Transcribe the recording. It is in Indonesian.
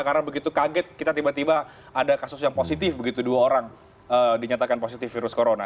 karena begitu kaget kita tiba tiba ada kasus yang positif begitu dua orang dinyatakan positif virus corona